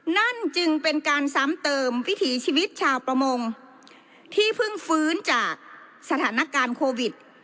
นั่นจึงเป็นการซ้ำเติมวิถีชีวิตชาวประมงที่เพิ่งฟื้นจากสถานการณ์โควิด